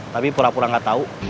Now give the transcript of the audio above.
tapi pura pura gak tau